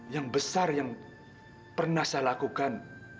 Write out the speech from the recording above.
yang besar yang pernah saya lakukan